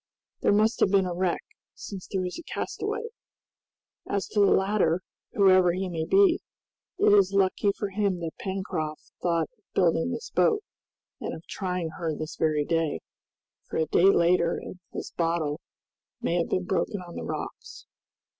There must have been a wreck, since there is a castaway. As to the latter, whoever he may be, it is lucky for him that Pencroft thought of building this boat and of trying her this very day, for a day later and this bottle might have been broken on the rocks."